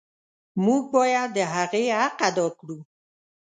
موږ باید د هغې حق ادا کړو.